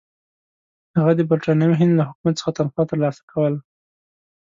هغه د برټانوي هند له حکومت څخه تنخوا ترلاسه کوله.